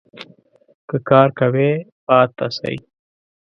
که کار کوی ؟ پاته سئ